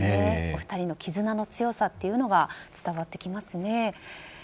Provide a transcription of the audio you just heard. お二人の絆の強さというのが伝わってきますね。